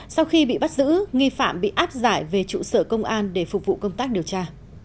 sau khi bị bắt giữ nghi phạm bị áp giải về trụ sở công an để phục vụ công tác điều tra